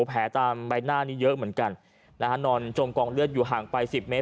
ตามใบหน้านี้เยอะเหมือนกันนะฮะนอนจมกองเลือดอยู่ห่างไปสิบเมตร